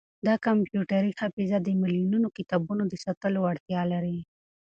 دا کمپیوټري حافظه د ملیونونو کتابونو د ساتلو وړتیا لري.